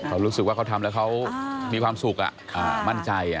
เขารู้สึกว่าเขาทำแล้วเขามีความสุขมั่นใจ